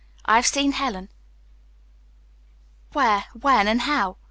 I have seen Helen." "Where, when, and how?"